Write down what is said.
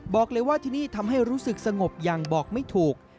บอกเลยว่าที่นี่ทำให้รู้สึกสงบอย่างบอกไม่ถูก